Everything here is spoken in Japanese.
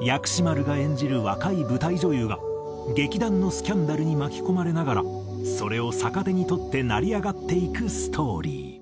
薬師丸が演じる若い舞台女優が劇団のスキャンダルに巻き込まれながらそれを逆手に取って成り上がっていくストーリー。